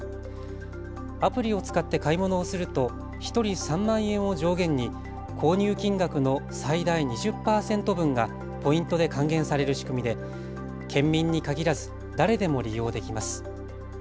アプリを使って買い物をすると１人３万円を上限に購入金額の最大２０％分がポイントで還元される仕組みで県民に限らず誰でも利用できます。